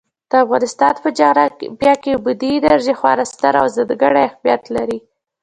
د افغانستان په جغرافیه کې بادي انرژي خورا ستر او ځانګړی اهمیت لري.